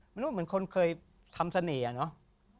เหมือนคนเคยทำเสน่หว่าเนาะ